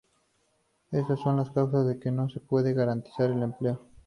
Estas son las causas de que no se pueda garantizar el empleo.